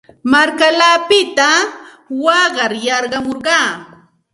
Markallaapita waqar yarqamurqaa.